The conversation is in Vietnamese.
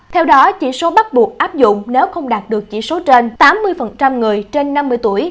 theo đó chỉ số bắt buộc áp dụng nếu không đạt được chỉ số trên tám mươi người trên năm mươi tuổi